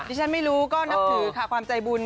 ที่ฉันไม่รู้ก็นับถือค่ะความใจบุญ